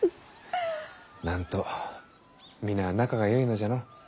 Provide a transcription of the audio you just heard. なんと皆仲がよいのじゃの。